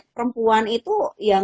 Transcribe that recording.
perempuan itu yang